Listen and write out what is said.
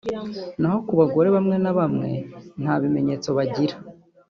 naho ku bagore bamwe na bamwe nta bimenyetso bagira